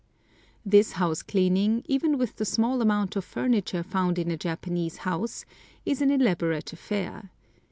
This house cleaning, even with the small amount of furniture found in a Japanese house, is an elaborate affair.